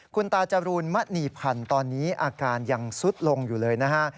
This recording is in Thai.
คุณตาจรูนมณีพันธ์ตอนนี้อาการยังสุดลงอยู่เลยนะฮะ